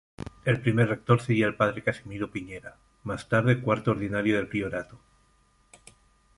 El primer rector sería el Padre Casimiro Piñera, más tarde cuarto ordinario del priorato.